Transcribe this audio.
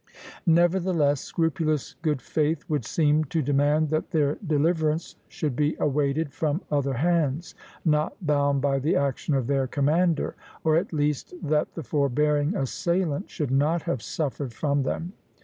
Nevertheless, scrupulous good faith would seem to demand that their deliverance should be awaited from other hands, not bound by the action of their commander; or at least that the forbearing assailant should not have suffered from them.